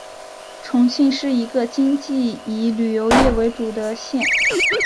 重庆是一个经济以旅游业为主的县。